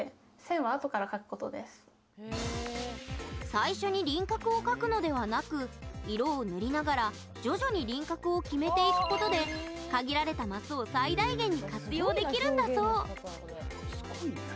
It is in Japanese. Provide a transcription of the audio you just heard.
最初に輪郭を描くのではなく色を塗りながら徐々に輪郭を決めていくことで限られたマスを最大限に活用できるんだそう。